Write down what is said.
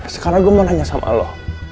sekarang gua mau nanya sama lu